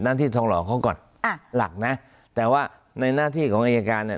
หน้าที่ทองหลอกเขาก่อนอ่าหลักนะแต่ว่าในหน้าที่ของอายการเนี่ย